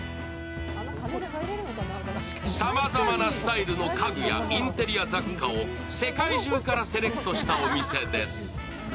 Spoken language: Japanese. さまざまなスタイルの家具やインテリア雑貨を世界中からセレクトしたお店です。